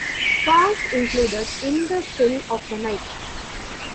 Songs included "In the Still of the Night".